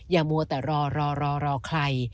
อย่ามัวแต่รอใคร